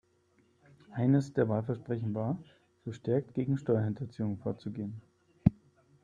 Eines der Wahlversprechen war, verstärkt gegen Steuerhinterziehung vorzugehen.